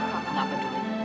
mama gak peduli